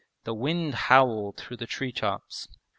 The wind howled through the tree tops.